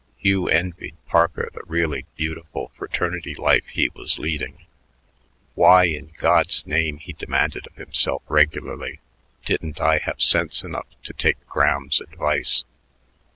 Hugh envied Parker the really beautiful fraternity life he was leading. "Why in God's name," he demanded of himself regularly, "didn't I have sense enough to take Graham's advice?"